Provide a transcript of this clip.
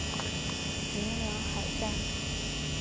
鸣梁海战